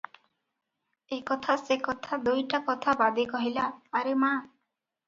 ଏ କଥା, ସେ କଥା, ଦୁଇଟା କଥା ବାଦେ କହିଲା, "ଆରେ ମା!